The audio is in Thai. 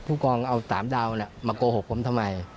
ผู้กองเอา๓ดาวมาโกหกผมทำไม